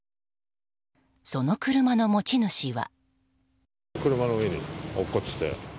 その車の持ち主は。